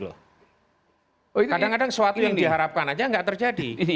kadang kadang sesuatu yang diharapkan saja tidak terjadi